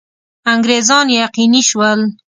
انګرېزان یقیني شول.